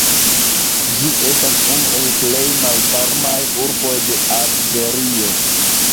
Ĝi estas unu el plej malvarmaj urboj de Alĝerio.